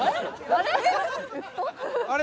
あれ？